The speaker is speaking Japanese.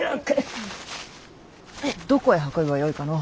どこへ運べばよいかの？